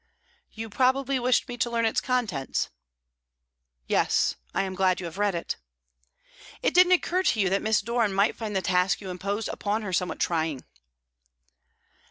"You probably wished me to learn its contents?" "Yes; I am glad you have read it." "It didn't occur to you that Miss Doran might find the task you imposed upon her somewhat trying?"